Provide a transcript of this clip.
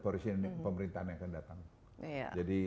koalisi pemerintahan yang akan datang jadi